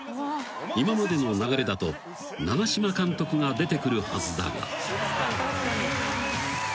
今までの流れだと長嶋監督が出てくるはずだが］